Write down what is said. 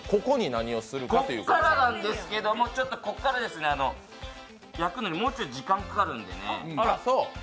ここからなんですけども、焼くのにもうちょい時間がかかるのでね。